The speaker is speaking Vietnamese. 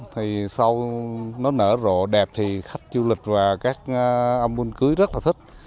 thì sau nó nở rộ đẹp thì khách du lịch và các ông mua cưới rất là thích